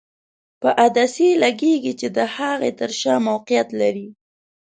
په عدسیې لګیږي چې د هغې تر شا موقعیت لري.